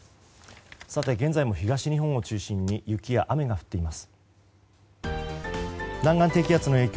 現在も東日本を中心に雪や雨が降っています。